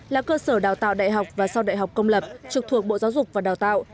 là cơ sở đào tạo đại học và sau đại học công lập trực thuộc bộ giáo dục và đào tạo